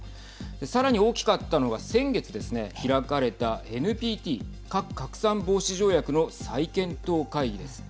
さらに大きかったのは先月ですね、開かれたＮＰＴ＝核拡散防止条約の再検討会議です。